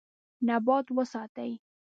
نبات وساتئ.